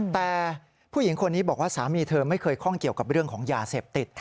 แต่ผู้หญิงคนนี้บอกว่าสามีเธอไม่เคยข้องเกี่ยวกับเรื่องของยาเสพติด